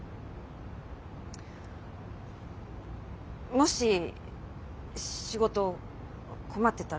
もし仕事困ってたら。